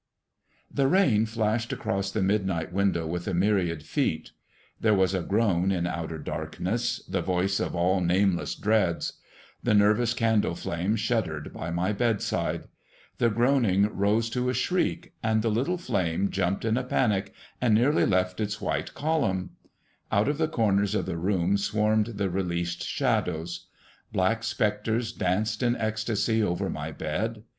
The rain flashed across the midnight window with a myriad feet. There was a groan in outer darkness, the voice of all nameless dreads. The nervous candle flame shuddered by my bedside. The groaning rose to a shriek, and the little flame jumped in a panic, and nearly left its white column. Out of the corners of the room swarmed the released shadows. Black specters danced in ecstasy over my bed.